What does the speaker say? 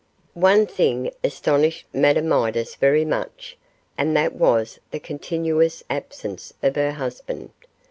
One thing astonished Madame Midas very much, and that was the continuous absence of her husband.